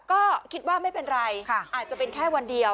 ก็คิดว่าไม่เป็นไรอาจจะเป็นแค่วันเดียว